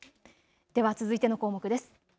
では続いての項目です。